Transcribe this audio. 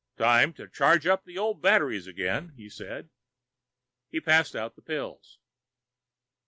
"Time to charge up the old batteries again," he said. He passed out the pills.